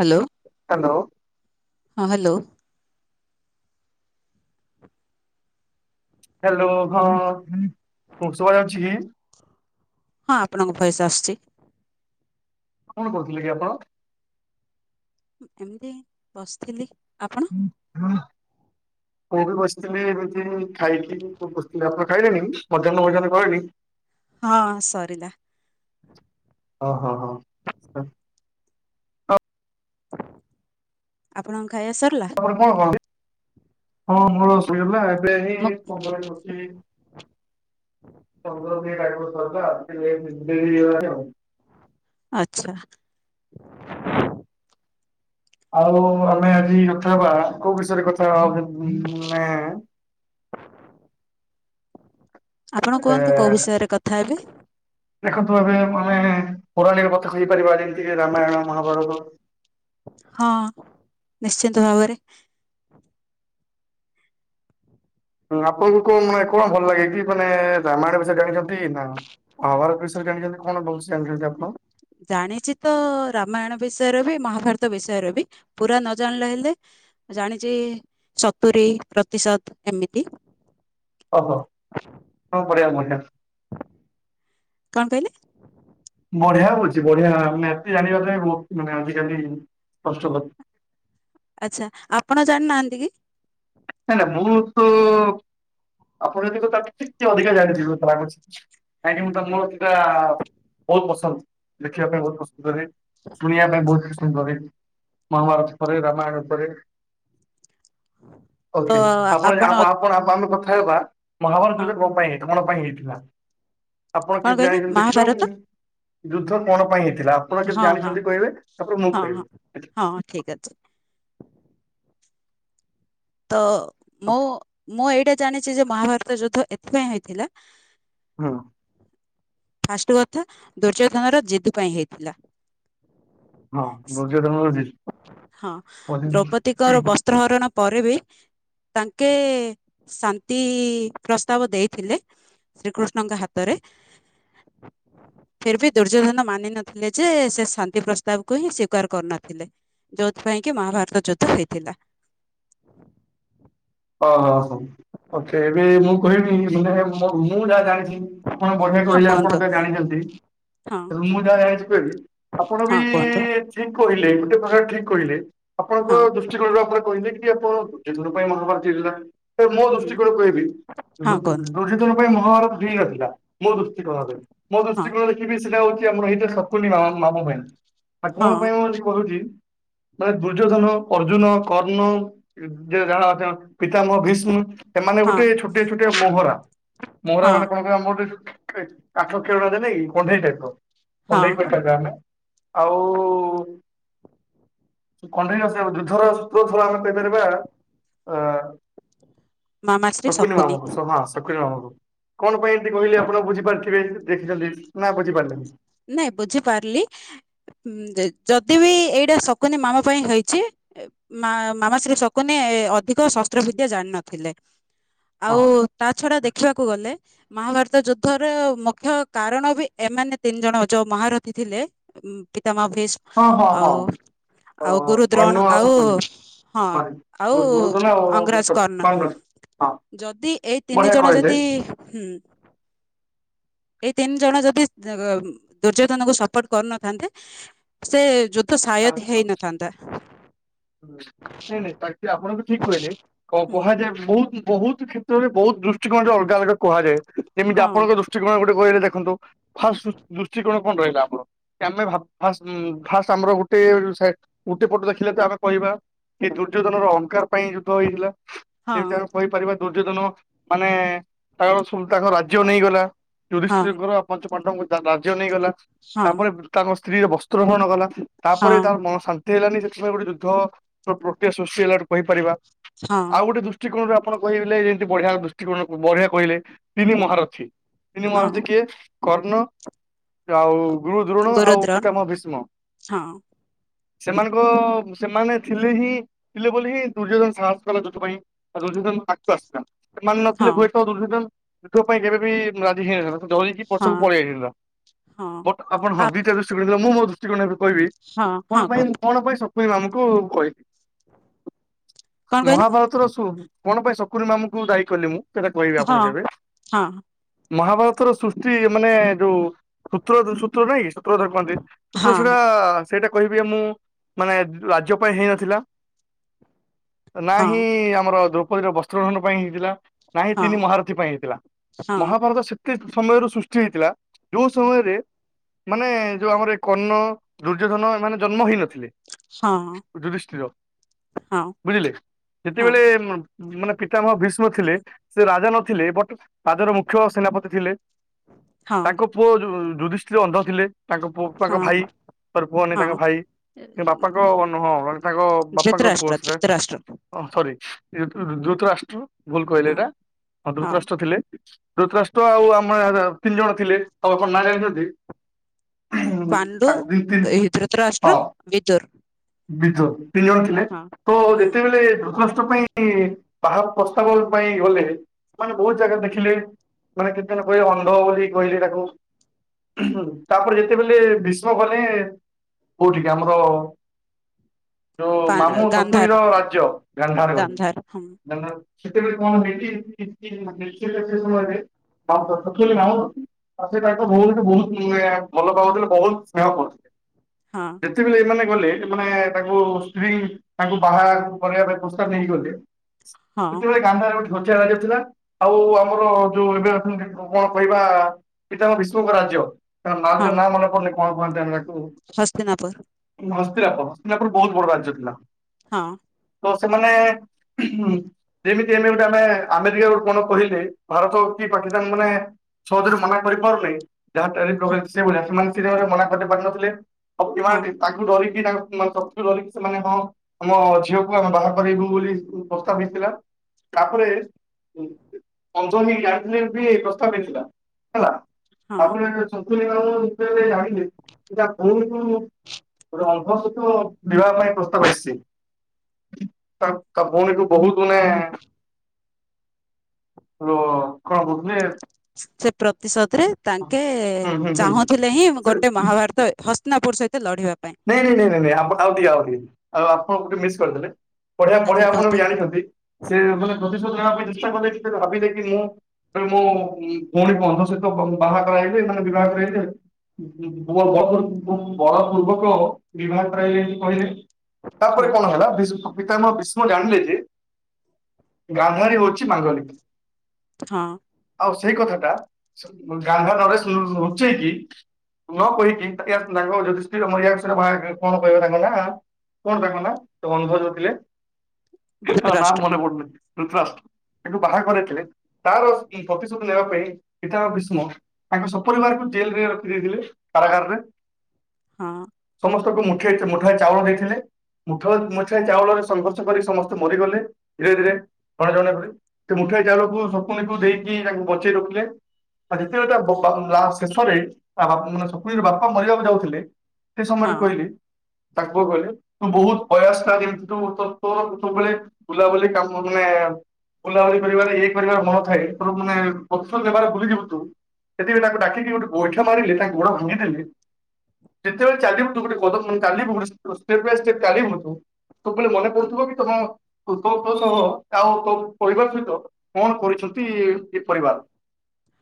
Hello? Hello? ହଁ hello? Hello ହଁ ମୁଷଭ ଅଛି କି! ହଁ ଆପଣଙ୍କ ଭଏସ ଆସୁଛି। କଣ କହୁଥିଲେ କି ଆପଣ? ଏମିତି ବସିଥିଲି ଆପଣ? ହୁଁ ହଁ। ମୁଁ ବି ବସିଥିଲି ଏମିତି ଖାଇଥିଲି ବସିଥିଲି ଆପଣ ଖାଇଲେଣି ମଧ୍ୟାହ୍ନ ମଧ୍ୟର୍୍ନ କରେଣି? ହଁ ସରିିଲା। ଓଁ ହଁ ହଁ। ଆପଣଙ୍କ ଖାଇବା ସରିଲା? ତାପରେ କଣ କହ ହଁ ମଳ ସୋଇଗଲା ଏବେ ମୁଁ ହ ପଳ ଅଛି ପନ୍ଦର ମିନ ଟାଇମତା ଆ ଆଚ୍ଛା। ଆଉ ଆମେ ଆଜି କଥା ହବା କୋଉ ବିଷୟରେ କଥା ମାନେ ଆପଣ ଏ କୁହନ୍ତୁ କୋଉ ବିଷୟରେ କଥା ହେବେ। ଦେଖନ୍ତୁ ଭବେ ଆମେ ପୌରାଳିକ କଥା କହିପାରିବା ଯେମିତି ରାମାୟଣ ମହାଭାରତ। ହଁ ନିଶ୍ଚିନ୍ତ ଭାବରେ। ହଁ ଆପଣଙ୍କୁ କଉ ମାନେ କଣ ଭଲ ଲାଗେ କି ମାନେ ରାମାୟଣ ବିଷୟରେ ଜାଣିଛନ୍ତି ନା। ୱାର ବିଷୟରେ ଜାଣିଛନ୍ତି କଣ ବହୁଷ ଜାଣିଛନ୍ତି ଆପଣ। ଜାଣିଛି ତ ରାମାୟଣ ବିଷୟରେ ବି ମହାଭାରତ ବିଷୟରେ ବି ପୁରା ନ ଜାଣିଲା ହେଲେ ଜାଣିଛି ସତୁରି ପ୍ରତିଶତ ଏମିତି। ଓହୋ କଣ କରିବା ମଣି କଣ କହିଲେ? ବଢିଆ ହଉଛି ବଢିଆ ଏତେ ଜାଣିବା ପାଇଁ ବହୁତ ମାନେ ଆଜିକାଲି କଷ୍ଟ କ ଆଛା ଆପଣ ଜାଣିନାହାନ୍ତି କି? ନାଇଁ ନା ମୁଁ ତୁ ଆପଣ କିନ୍ତୁ ତାଠୁ ଟିକେ ଅଧିକା ଜାଣିଥିବେ। ଲାଗୁଛି କାହିଁକି ମୁଁ ତମର ସେଟା ବହୁତ ପସନ୍ଦ ଦେଖିବା ପାଇଁ ବହୁତ ପସନ୍ଦ। ବହି ଶୁଣିବା ପାଇଁ ବହୁତରେ ସୁନ୍ଦର ଭାବରେ ମହାଭାରତ ପରେ ରାମାୟଣ ପରେ ତ ଓକେ ଆପଣ ଆପ ଆପ ଆମେ କଥା ହେବା ମହାଭାରତ ଯୁଦ୍ଧରେ କଣ ପାଇଁ ହେଇ କଣ ପାଇଁ ହେଇଥିଲା ଆପଣ କଣ କେତେ କହିଲେ ଯାଇଛନ୍ତି ଦେଖିବାକୁ ମହାଭାରତ କି? ଯୁଦ୍ଧ କଣ ପାଇଁ ହେଇଥିଲା ଆପଣ କେତେ ହଁ ହଁ ଜାଣିଛନ୍ତି କହିବେ ତାପରେ ମୁଁ ହଁ କହିବି। ହଁ ହଁ ଠିକ ଅଛି। ତ ମୁଁ ମୁଁ ଏଇଟା ଜାଣିଛି ଯେ ମହାଭାରତ ଯୁଦ୍ଧ ଏଥିପାଇଁ ହେଇଥିଲା ହଁ। ଫାଷ୍ଟ କଥା ଦୁର୍ଯ୍ୟଧନ ର ଜିଦୁ ପାଇଁ ହେଇଥିଲା। ହଁ ଦୁର୍ଯ୍ୟୋଧନ ର ଯୁଦ୍ଧ। ହଁ ଦ୍ରୌପଦୀଙ୍କର ବସ୍ ତ୍ର ହରଣ ପରେ ବି ତାଙ୍କେ ଶାନ୍ତି ପ୍ରସ୍ତାବ ଦେଇଥିଲେ। ଶ୍ରୀକୃଷ୍ଣଙ୍କ ହାତରେ ହଁ। ଫେର ବି ଦୁର୍ଯ୍ୟୋଧନ ମାନି ନଥିଲେ ଯେ ସେ ଶାନ୍ତି ପ୍ରସ୍ତାବକୁ ହିଁ ସ୍ଵିକାର କରୁନଥିଲେ। ଯୋଉଥିପାଇଁ କି ମହାଭାରତ ଯୁଦ୍ଧ ହେଇଥିଲା। ଓହୋ ହୋ ହଉ ଓକେ ଏବେ ମୁଁ କହିବି ମାନେ ମୁଁ ଯାହା ଜାଣିଛି। ଆପଣ ବଢିଆ ହଁ କହିଲେ କୁହନ୍ତୁ ଆପଣ ଯାହା ଜାଣିଛନ୍ତି ହଁ ମୁଁ ଯାହା ଜାଣିଛି କହିବି। ଆପଣ ବି ହଁ କୁହନ୍ତୁ ଠିକ କହିଲେ ଗୋଟେ ପ୍ରକାର ଠିକ କହିଲେ ହଁ ଆପଣଙ୍କ ଠିକ ଆପଣ କହିଲେ କି ଆପଣ ଜିନ ପାଇଁ ମହାଭାରତୀଥିଲା ମୋ ହୁଁ ଦୃଷ୍ଟିକୋଣ କହିବି [unintelligible] ହଁ କୁହନ୍ତୁ ଦୁର୍ଯ୍ୟଧନ ପାଇଁ ମହାଭାରତ ହେଇନଥିଲା ମୋ ଦୃଷ୍ଟିକୋଣରେ ମୋ ହଁ ଦୃଷ୍ଟିକୋଣରେ ମେ ବି ସେଇଟା ହଉଛି ଆମର ଏଇଟା ଶକୁନୀ ମାମା ପାଇଁ ଆଉ ହଁ କଣ ପାଇଁ ମୁଁ କହୁଛି ମାନେ ଦୁର୍ଯ୍ୟୋଧନ ଅର୍ଜୁନ କର୍ଣ୍ଣ ଯ ଯାହା ଅଛନ୍ତି। ପିତାମହ ଭୀଷ୍ମ ଏମାନେ ହଁ ଗୋଟେ ଛୋଟିଆ ଛୋଟିଆ ମୋହରା। ମୋହରା ହଁ ମାନେ କଣ କହିବେ ଆମରେ ଆଠ ଖେଳନା ଦେଲେକି କଣ୍ଢେଇଟାଇପର ହଁ କଣ୍ଢେଇ ପରିକା ଆମେ ଆଉ କଣ୍ଢେଇ ନ୍ୟସର ଯୁଦ୍ଧର ଥର ଆମେ କହିପାରିବା ଅ [unintelligible] ଶକୁନି ମାମୁଁକୁ ସ ହଁ ଶକୁନି ମାମୁଁକୁ କଣ ପାଇଁ ଏମିତି କହିଲେ ଆପଣ ବୁଝିପାରଥିବେ ଦେଖିଛନ୍ତି ନା ବୁଝିପାରିଲେନି। ନାଇଁ ବୁଝିପାରିଲି ଉଁ ଯଦି ବିି ଏଇଟା ଶକୁନି ମାମା ପାଇଁ ହେଇଛି। ମା ମାମା ଶ୍ରୀ ଶକୁନି ଅଧିକ ଶସ୍ତ୍ରବିଦ୍ୟା ଜାଣିିନଥିଲେ ହଁ ଆଉ ତା ଛଡା ଦେଖିବାକୁ ଗଲେ ମହାଭାରତ ଯୁଦ୍ଧର ମୁଖ୍ୟ କାରଣ ବି ଏମାନେ ତିନି ଜଣ ଯଉ ମହାରଥୀ ଥିଲେ ପିତାମା ଭିଶ ହଁ ହଁ ହଁ। ଆଉ କର୍ଣ୍ଣ ଗୁରୁଦ୍ରୋଣ ଆଉ ଶକୁନି। ହଁ ସରି ଆଉ ଦୁର୍ଯ୍ୟୋଧନ ଅଙ୍ଗରାଜ ଆଉ କର୍ଣ୍ଣ। ପାଣ୍ଡୁ। ହଁ ଯଦି ଏଇ ବଢିଆ ତିନି ଜଣ କହିଲେ। ଯଦି ହୁଁ। ଏଇ ତିନି ଜଣ ଯଦି। ଦୁର୍ଯ୍ୟୋଧନକୁ ସପୋର୍ଟ କରୁନଥାନ୍ତେ ସେ ଯ। ଆୟଦ୍ ହେଇନ ଚାନ୍ଦ। ନାଇଁ ନାଇଁ ତା ଆପଣଙ୍କୁ ଠିକ କୁହନି ହୁଁ କୁହାଯାଏ। ବହୁତ ବହୁ କ୍ଷେତ୍ରରେ ବହୁତ ଦୃଷ୍ଟିକୋଣରେ ଅଲଗା ଅଲଗା କୁହାଯାଏ। ଏମିତି ହଁ ଆପଣଙ୍କ ଦୃଷ୍ଟିକୋଣ ଗୋଟେ କହିଲେ ଦେଖନ୍ତୁ ଫାଷ୍ଟ ଦୃଷ୍ଟିକୋଣ। କଣ ରହିଲା ଆମ ଆେ ଆମ ଗ। ଗୋଟେ ଗୋଟେ ପଟ ଦେଖିଲେ ତ ଆମେ କହିବା ଏ ଦୁର୍ଯ୍ୟୋଧନ ର ଅଙ୍କାର ପାଇଁ ଯୁଦ୍ଧ ହେଇଥିଲା। ହଁ ଯେମିତି ଆମେ କହିପାରିବା ଦୁର୍ଯ୍ୟୋଧନ ମାନେ ତାଙ୍କର ତାଙ୍କ ରାଜ୍ୟ ନେଇଗଲା। ହଁ ଟୁରିଷ୍ଟଙ୍କର ପଞ୍ଚ ପାଣ୍ଡ ରାଜ୍ୟ ନେଇଗଲା ହଁ ତାପରେ। ତାଙ୍କ ସ୍ତ୍ରୀରେ ବସ୍ତ୍ର ଧରଣ କଲା ତାପରେ ହଁ ତାର ମନ ଶାନ୍ତି। ହେଲାନି ସେଥିପାଇଁ ଗୋଟେ ଯୁଦ୍ଧ ପ୍ରକ୍ରୟା ସୃଷ୍ଟି ହେଲା ଗ କହିପାରିବା ହଁ ଆଉ ଗୋଟେ ଦ। ଦୃଷ୍ଟିକୋଣରେ ଆପଣ କହିଲେ ଯେମିତି ବଢିଆ ଦୃଷ୍ଟିକୋଣ ବଢିଆ କହିଲେ ତିନି ମହାରଥୀ। ତିନି ମ ହଁ ଆସଛି କିଏ କର୍ଣ୍ଣ ଆଉ ଗୁରୁ ଦ୍ରୋଣ ଆଉ ଗୋରୁଦ୍ରୋଣ ପିଠା ମ ଭୀଷ୍ମ। ହଁ। ସେମାନଙ୍କ ସେମାନେ ଥିଲେ ହିଁ ଥିଲେ ବୋଲି ହିଁ ଦୁର୍ଯ୍ୟୋଧନ ସାହସ କଲେ ଯୋଉଥିପାଇଁ। ଆଉ ଦୁର୍ଯ୍ୟଧନ ଆକ୍ଟରସ ଟା ସେମାନେ ନଥିଲେ ହଁ ହୁଏତ ଦୁର୍ଯ୍ୟଧନ ଯୁଦ୍ଧ ପାଇଁ କେବେ ବି ରାଜି ହେଇନଥାନ୍ତା। ଡରିକି ପଛକୁ ହଁ ପଳେଇ ଯାଇଥାନ୍ତା ହଁ ବଟ୍ ଆପଣ ଆ ହଁ ଦିଟା ଦୃଷ୍ଟିକୋଣ ଥିଲା ମୁଁ ମୋ ଦୃଷ୍ଟିକୋଣ କହିବି ହଁ କଣ ହଁ ପାଇଁ କୁହନ୍ତୁ କଣ ପାଇଁ ସ ମୁ ଆମକୁ କହିବି କଣ କହିଲେ ମହାଭାରତର ସୋ କଣ ପାଇଁ ଶକୁୁନି ମାମୁଙ୍କୁ ଦାୟୀ କଲି ମୁଁ ସେଇଟା କହିବି ଆପଣ ହଁ କେବେ? ହଁ ମହାଭାରତର ସୃଷ୍ଟି ମାନେ ଯୋଉ ସୂତ୍ର ସୂତ୍ର ନାଇଁ କି ସୂତ୍ରଧର କହନ୍ତି ହଁ ସେଟା ସେଇଟା କହିବି ମୁଁ ମାନେ ରାଜ୍ୟ ପାଇଁ ହେଇନଥିଲା। ହଁ ନାହିିଁ ଆମର ଦ୍ରୌପଦୀର ବସ୍ତ୍ରହରଣ ପାଇଁ ହେଇଥିଲା। ନାଇଁ ହଁ ତିନି ମହାରଥୀ ପାଇଁ ହେଇଥିଲା ହଁ ମହାଭାରତ ସେ ସମୟରୁ ସୃଷ୍ଟି ହେଇଥିଲା ଯୋଉ ସମୟରେ ମାନେ ଯୋଉ ଆମର କର୍ଣ ଦୁର୍ଯ୍ୟୋଧନ ଏମାନେେ ଜନ୍ମ ହେଇନଥିଲେ। ହଁ। ଯୁଧିଷ୍ଟିର। ହଁ। ବୁଝିଲେ ହଁ ଯେତେବେଳେ ମାନେ ପିତାମହ ଭୀଷ୍ମ ଥିଲେ ସେ ରାଜା ନଥିଲେ ବଟ ପାଦର ମୁଖ୍ୟ ସେନାପତି ଥିଲେ। ହଁ ତାଙ୍କ ପୁଅ ଯୁଧିଷ୍ଠୀର ଅନ୍ଧ ଥିଲେ ତାଙ୍କ ପୁଅଙ୍କ ହଁ ଭାଇ ପୁଅନି ତାଙ୍କ ହଁ ଭାଇ ବାପାଙ୍କ ହଁ ତାଙ୍କ ବାପାଙ୍କ ଧୃତରାଷ୍ଟ୍ର ପୋଷ୍ଟରେ ଧୃତରାଷ୍ଟ୍ର ହଁ ସରି ଧୃତରାଷ୍ଟ୍ର ଭୁଲ କହିଲେ ହଁ ଏଇଟା ହଁ ଧୃତରାଷ୍ଟ୍ର। ଥିଲେ ଧୃତରାଷ୍ଟ୍ର ଆଉ ଆମର ତିନି ଜଣ ଥିଲେ ଆଉ ଆପଣ ନାଁ ଜାଣିଛନ୍ତି? ପାଣ୍ଡୁ ତା- ଦି- ତିନି- ହ ଧୃତରାଷ୍ଟ୍ର ବିଦୁୁର। ବିଦୂର ତିନି ଜଣ ଥିଲେ ତ ହୁଁ ଯେତେବେଳେ ଧ୍ରୁତରାଷ୍ଟ୍ର ପାଇଁ ବାହା ପ୍ରସ୍ତାବ ପାଇଁ ଗଲେ ମାନେ ବହୁତ ଜାଗା ଦେଖିଲେ। ମାନେ କେତେ ଜଣ କହିଲେ ଅନ୍ଧ ବୋଲି କହିଲି ତାକୁ ମା ତାପରେ ଯେତେବେଳେ ଭୀଷ୍ମ କଲେ କୋଉଠିକ ଆମର ପା ଯୋଉ ଗାନ୍ଧାର ମାମୁଁ ଶକୁଣିର ଗାନ୍ଧାର ରାଜ୍ୟ ହଁ ଗାନ୍ଧାର ଗଲେ [inaudible] ଆଉ ସେ ତାଙ୍କ ଭଉଣୀକୁ ବହୁତ ଭଲ ପାଉଥିଲେ ବହୁତ ସ୍ନେହ କରୁଥିଲେ। ହଁ। ଯେତେବେଳେ ଏମାନେ ଗଲେ ମାନେ ତାଙ୍କୁ ସ୍ତ୍ରୀ ତାଙ୍କୁ ବାହା କରିବା ପାଇଁ ପ୍ରସ୍ତାବ ନେଇଗଲେ ହଁ ସେତେବେଳେ [inaudible] ଯାଉଥିଲା ଆଉ ଆମର ଯୋଉ ଏବେ କଣ କହିବା? ପିତାମହ ବିଶ୍ୱଙ୍କ ରାଜ୍ୟ ତା ନା ମନେ ପଡୁନି କଣ କୁହନ୍ତି ଆମେ ଟାକୁ ହସ୍ତୀନାପୁର। ହସ୍ତିରାପ ହସ୍ତିରାପର ବହୁତ ବଡ ରାଜ୍ୟ ଥିଲା। ହଁ। ତ ସେମାନେ ଯେମିତି ଆମେ ଗୋଟେ ଆମେ ଆମେରିକା ଗୋଟେ କଣ କହିଲେ ଭାରତ କି ପାକିସ୍ତାନ ମାନେ ସହଜରେ ମନା କରିପାରୁନେ। ଯହା ଟାରିଫ୍ [inaudible] ସେମାନେ ମନା କରି ପାରନଥିଲେ ଆଉ ହଁ ଏମାନେ ତାଙ୍କୁ ଡରି [inaudible] ଡରିକି ସେମାନେ ହଁ ଆମ ଝିଅକୁ ଆମେ ବାହା କରବୁ ବୋଲି ପ୍ରସ୍ତାବ ହେଇଥିଲା ତାପରେ ଅନ୍ଧ ହିଁ ଜାଣିଥିଲେ ବି ପ୍ରସ୍ତାବ ଦେଇଥିଲା ହେଲା ହଁ ଆପଣ ଯେବେ ଶକୁନି ମାମୁଁକୁ ଯେତେବେଳେ ଜାଣିଲେ ତା ଭଉଣୀକୁ ଗୋଟେ ଅନ୍ଧ ସହିତ ବିବାହ ପାଇଁ ପ୍ରସ୍ତାବ ଆସିଛି ତା ଭଉଣୀକୁ ବହୁତ ମାନେ ର କଣ କହୁଥିଲେ? ସେ ପ୍ରତିଶୋଧରେ ତାଙ୍କେ ହୁଁ ହୁଁ ହୁଁ ଚାହୁଁଥିଲେ ହିଁ ସେ ଗୋଟେ ମହାଭାରତ ହସ୍ତିନାପୁର ସହିତ ଲଢିବା ପାଇଁ ନାଇଁ ନାଇଁ ନାଇଁ ନାଇ ଆଉ ଟିକେ ଆଉ ଆପଣେ ଟିକେ ମିସ୍ କରିଦେଲେ ପଢଆ ଆଚ୍ଛା ପଢିଆ ଆପଣ କୁହନ୍ତୁ ବି ଜଣିଛନ୍ତି। ସେ ମାନେ ପ୍ରତିଶୋଧ ନବା ପାଇଁ ଚେଷ୍ଟା କଲେ କି ଭାବିଲେ କି ମୁଁ ମୁଁ ଭଉଣୀ ଅନ୍ଧ ସହିତ ବାହା କରାହଇିବେ ଏମାନେ ମ ବିବାହ କରାଇବେ ପୁଅ ବଳ ବଳପୂର୍ବକ ବିବାହ କରାଇଲେ କହିଲେ ହଁ ତାପରେ କ'ଣ ହେଲା? ପିତା ମହ ବିଷ୍ମ ଜାଣିଲେ ଯେ ଗାନ୍ଧାରୀ ହଉଛି ମାଙ୍ଗରି। ହଁ ଆଉ ସେଇ କଥାଟା ଗାଙ୍ଗା ନରେଶ ଲୁଚେଇକି। ନ କହିକି ସ୍ତ୍ରୀ ର ମାରିବା କଥା। ବା କ'ଣ କହିବା ତାଙ୍କ ନାଁ କଣ ତାଙ୍କ ନାଁ ତ ଅନ୍ଧ ଯୋଉ ଥିଲେ। ତା ନା ଧୃତରାଷ୍ଟ୍ର ମନେ ପଡୁନି ଦୁତରାଷ୍ଟ୍ର ସେଠୁ ବାହା କରିଇଥିଲେ ତାର ପ୍ରତିଶୋଧ ନେବା ପାଇଁ ପିତା ମା ଭ୍ରୀଷ୍ମ ତାଙ୍କ ସପରିବାରକୁ ଜେଲ ରେ ରଖିଦେଇଥିଲେ କାରାଗାରରେ ହଁ ସମସ୍ତଙ୍କୁ ମୁଠେ ମୁଠାଏ ଚାଉଳ ଦେଇଥିଲେ। ମୁଠେ ମୁଠାଇ ଚାଉଳ ରେ ସଂଗର୍ଷ କରି ସମସ୍ତେ ମରିଗଲେ ଧୀରେ ଧୀରେ ଜଣ ଜଣ କରି। ସେ ମୁଠାଏ ଚାଉଳକୁ ଶକୁନିକୁ ଦେଇକି ତାଙ୍କୁ ବଞ୍ଚେଇ ରଖିଲେ। ଆଉ ଯେତେବେଳେ ତା ବାପା ଶେଷରେ ମାନେ ସକୁନି ର ବାପା ମରିବାକୁ ଯାଉଥିଲେ। ଏତେ ସମୟେ ହଁ କହିଲି ତାଙ୍କୁ କହିଲେ ତୁ ବହୁତ ପ୍ରୟାସ ଯେମିତି ତୁ ତୋର ସବୁବେଳେ ବୁଲାବୁଲି କାମ ମାନେ। ବୁଲାବୁଲି କରିବାରେ ଏକରିବାର ମନ ଥାଏ ମାନେ ପ୍ରଦୂଷଣ ଦବାରେ ଭୁଲିଯିବୁ ତୁ ସେଥିପାଇଁ ତାଙ୍କୁ ଡାକିକି ଗୋଟେ ଗୋଇଠ ମାରିଲ ତାଙ୍କ ଗୋଡ ଭାଙ୍ଗିଦଲେ କେତେବେଲେ ଚାଲିବୁ ତୁ ଗୋଟ ଷ୍ଟେପ ବାଏ ଷ୍ଟେପ ଚଲିବୁ ତୋ ମନେ ପଡୁଥିବ କି ତମ ତ ତୋ ସହ ଆଉ ତୋ ପରିବାର ସହିତ କ'ଣ କରିଛନ୍ତି ଏ ପରିବାର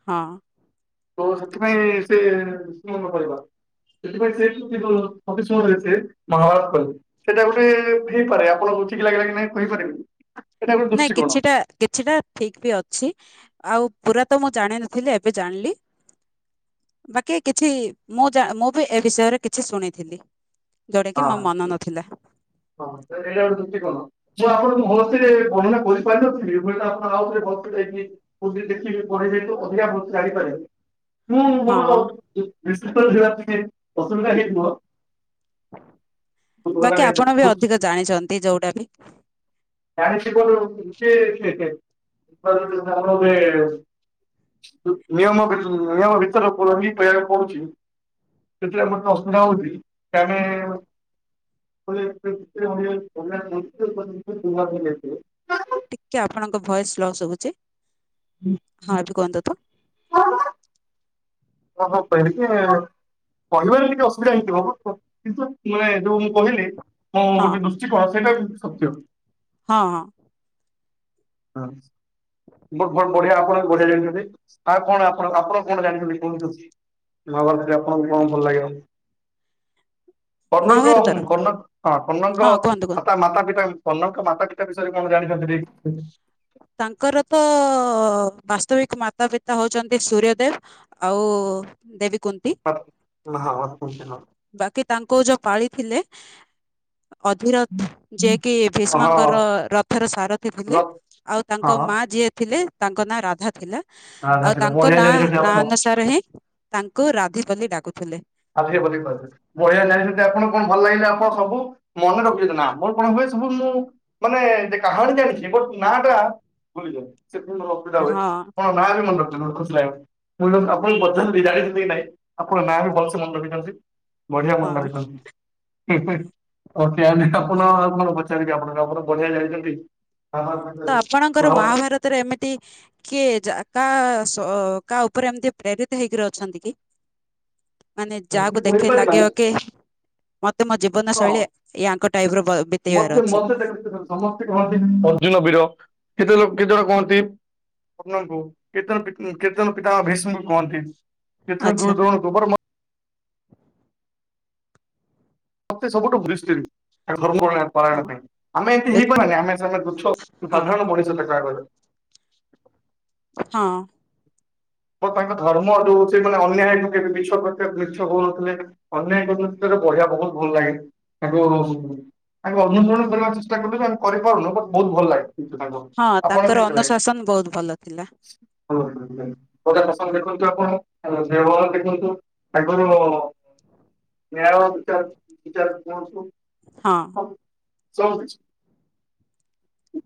ହଁ ତ ସେଥିପାଇଁ ସେ ମାନକରିବନି ସେଥିପାଇଁ ସେ ଅଫିସମ ମହାହାରତ ସେଇଟା ଗୋଟେ ହେଇପାରେ ଆପଣ ରୁଚିକି ଲାଗିଲା କି ନହିଁ କହିପାରିବେ। ନାହିଁ କିଛିଟା କିଛିଟା ଠିକ ବି ଅଛି ଆଉ ପୁରା ତ ମୁଁ ଜାଣିନଥିଲି ଏବେ ଜାଣିଲି। ବାକି କିଛି ମୁଁ ଯା ମୁଁ ବି ଏ ବିଷୟରେ କିଛି ଶୁଣିଥିଲି। ଯୋଉଟା କି ହଁ ମୋ ମନ ନଥିଲା। ହଁ [inaudible] ଚୁଟିି କ'ଣ? ଯିଏ ଆପଣଙ୍କୁ ମସ୍ତରେ ବର୍ଣନା କରିପାରିନଥିଲି ହୁଏତ ଆପଣ ଆଉଥରେ ଯକି [unintelligible] ମୁଁ ହଁ। ମୋର [unintelligible] ପାଇଁ ପସନ୍ଦା ହେଇଥିବ। ବାକି ଆପଣ ବି ଗୋଟେ ଅଧିକ ଜାଣିଛନ୍ତି ଯୋଉଟା କି [unintelligible] ନିୟମ ନିୟମ ଭିତର ପବି କହିବାକୁ ପଡୁଛି। ସେଥିରେ ମତେ ଅସୁବିଧା ହଉଛି ଆମେ [unintelligible] ଟିକେ ଆପଣଙ୍କ ଭଏସ୍ ଲସ୍ ହଉଛି ହଁ ଏବେ କୁହନ୍ତୁ ତ! ଓହୋ କହିଲି। କହିବାରେ ଟିକେ ଅସୁବିଧା ହେଇଥିବ ବ କିନ୍ତୁ ମାନେ ଯୋଉ ମୁଁ କହିଲି ମୁଁ ହଁ ଗୋଟେ ଦୃଷ୍ଟି କୋଣ ସେଇଟା ସତ୍ୟ। ହଁ ହଁ। ହଁ। ବଢିଆ ଆପଣ ବଢିଆ ଜଣିଛନ୍ତି ଆ କଣ ଆପଣ ଆପଣ କ'ଣ ଜାଣିଛନ୍ତି କହୁଛନ୍ତି? ନ ବ ସେ ଆପଣଙ୍କୁ କଣ ଭଲ ଲାଗିବନି। ମହାଭାରତର କର୍ଣ୍ଣଙ୍କ- କର୍ଣ୍ଣ- କର୍ଣ୍ଣଙ୍କ ହଁ କୁହନ୍ତୁ କୁହନ୍ତୁ। ତା ମାତା ପିତା କର୍ଣ୍ଣଙ୍କ ମାତା ପିତା ବିଷୟରେ କଣ ଜାଣିଚନ୍ତି ଟିକେ କହିଲେ? ତାଙ୍କର ତ ବାସ୍ତବିକ୍ ମାତା ପିତା ହଉଚନ୍ତି ସୂର୍ୟଦେବ୍। ଆଉ ଦେବୀ କୁନ୍ତ୍ ହ -ହଁ -କୁନ୍ତିର। ବାକି ତାଙ୍କୁ ଯଉ ପାଳି ଥିଲେ ଅଧିରଥ୍ ଯିଏ କିି ଭୀଷ୍ମଙ୍କର ରଥର ସାରଥିୀ ଥିଲେ। ଆଉ ତାଙ୍କ ମା ରାଧା ଯିଏ ଥିଲେ ତାଙ୍କ ନାଁ ରାଧା ଥିଲା। ଆଉ ସେଇଟା ତାଙ୍କ ବଢିଆ ନାଁ- ଜାଣିଛନ୍ତି ନାଁ ଆପଣ ଅନୁସାରେ ହିଁ ତାଙ୍କୁ ରାଧି ବୋଲି ଡାକୁଥିଲେ। ରାଧି ବୋଲି ଡାକୁଥିଲେ। ବଢିଆ ଜାଣିଚନ୍ତି ସେ ଆପଣ କଣ ଭଲ ଲାଗିଲେ ଆପଣ ସବୁ ମନେ ରଖିଚନ୍ତି ନା ମୋର କଣ ହୁଏ ସବୁ ମୁଁ ମାନେ ଯେ-କାହାଣୀ ଜାଣିଚି ବଟ୍ ନା ଟା ଭୁଲିଯାଉଚି ସେଥି ଅସୁବିଧା ହୁଏ ହଁ କଣ ନାଁ ବି ମନ ରଖ୍ ଖୁସି ଲାଗିବ ଆପଣଙ୍କୁ ବି ପଚାରିଲି ଜାଣିଚନ୍ତି କି ନାଇଁ ଆପଣ ନାଁ ବି ଭଲ ମନ ରଖିଥାନ୍ତି ବଢିଆ ମନ ହଁ ରଖିଚନ୍ତି। ଆପଣ ଆଉ କଣ ପଚାରିବେ ଆପଣ ଉପରେ ବଢିଆ ଜାଣିଚନ୍ତି। ତ ଆପଣଙ୍କର ମହାଭାରତରେ ଏମିତି କିଏ ଯା- କା -ଶ -କା ଉପରେ ଏମିତି ପ୍ରେରିତ୍ ହେଇକିରି ଅଛନ୍ତି କି? ମାନେ ଯାହାକୁ ଦେଖେଇ କହିପାରିବାନି ଲାଗିବ କେ ମତେ ମୋ ଜି ଜୀବନ ହଁ ଶୈଳୀ ୟାଙ୍କ ଟାଇପ୍ ର ବ-ବିତେଇବାର ଅଛି। [unintelligible] ସମସ୍ତେ କହନ୍ତି ଅର୍ଜୁନ ବୀର କେତେ ଲୋକ କେତେ ଜଣ କୁହନ୍ତି କର୍ଣ୍ଣ ଙ୍କୁ କେତେ ଜଣ କେତେ -ପିତା ଭୀଷ୍ମ ଙ୍କୁ କୁହନ୍ତି କେତେ ଜଣ ଆଚ୍ଛା ଗୁରୁ ଦ୍ରୋଣଙ୍କୁ ବଟ୍ ମତେ ମତେ ସବୁଠୁ [unintelligible] ପୁରାଣ ହଁ ପାଇଁ ଆମେ ଏମତି ହେଇପାରିବାନି ଆମେ ସେ ତୁଛ ହଁ ସାଧାରଣ ମଣିଷ ତାଙ୍କ ଆଗରେ। ହଁ। ଓ ତାଙ୍କ ଧର୍ମ ହଉଚି ମାନେ ଅନ୍ୟାୟ [unintelligible] ମିଛ କହୁନଥିଲେ। ଅନ୍ୟ କର ସେରେ ବଢିଆ ବହୁତ ଭଲ ଲାଗେ ତାକୁ ତାଙ୍କୁ ଅନୁସରଣ କରିବାକୁ ଚେଷ୍ଟା କରିବୁ ଆମେ କରିପାରୁନୁ ବଟ୍ ବହୁତ୍ ଭଲ ଲାଗେ। ହଁ ଆପଣ ତାଙ୍କର କେମିତି ଲାଗେ? ଅନୁଶାସନ ବହୁତ ଭଲ ଥିଲା [unintelligible] ଶାସନ ଦେଖନ୍ତୁ ଆପଣ [unintelligible] ଦେଖନ୍ତୁ ଆଗରୁ ନ୍ୟାୟ ବିଚାର୍-ବିଚାର୍ କୁହନ୍ତୁ। ହଁ। ହଉ ସବୁକିଛି।